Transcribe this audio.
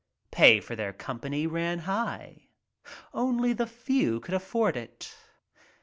Pay for their "company" ran high. Only the few could afford it.